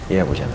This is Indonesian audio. iya bu chandra